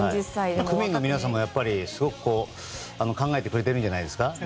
区民の皆さんも考えてくれてるんじゃないですか。